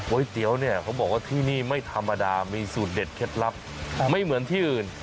เตี๋ยวเนี่ยเขาบอกว่าที่นี่ไม่ธรรมดามีสูตรเด็ดเคล็ดลับไม่เหมือนที่อื่น